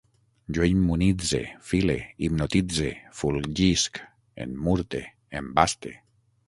Jo immunitze, file, hipnotitze, fulgisc, emmurte, embaste